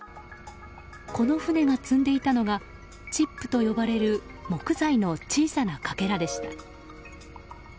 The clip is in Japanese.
この船が積んでいたのがチップと呼ばれる木材の小さなかけらでした。